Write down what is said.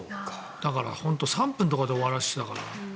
だから３分とかで終わらせてたから。